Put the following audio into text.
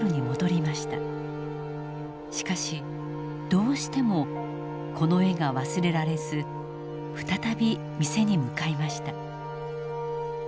しかしどうしてもこの絵が忘れられず再び店に向かいました。